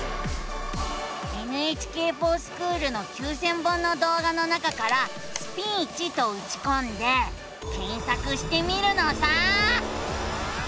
「ＮＨＫｆｏｒＳｃｈｏｏｌ」の９，０００本の動画の中から「スピーチ」とうちこんで検索してみるのさ！